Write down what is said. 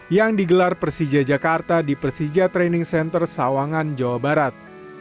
yang digelar persija jakarta di persija training center sawangan jawa barat